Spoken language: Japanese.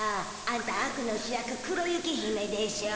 あんたあくの主役黒雪姫でしょ。